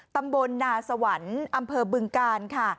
ตำบลนาสวรรค์อำเภอบึงกาลค่ะ